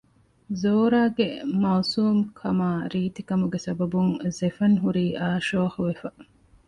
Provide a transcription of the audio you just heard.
ޒޯރާގެ މައުސޫމު ކަމާ ރީތި ކަމުގެ ސަބަބުން ޒެފަން ހުރީ އާޝޯޙު ވެފަ